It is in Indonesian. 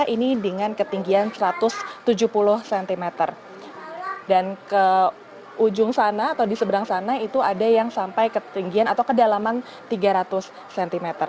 ini dengan ketinggian satu ratus tujuh puluh cm dan ke ujung sana atau di seberang sana itu ada yang sampai ketinggian atau kedalaman tiga ratus cm